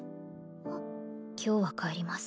あ今日は帰ります